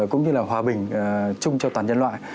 cũng như là hòa bình chung cho toàn nhân loại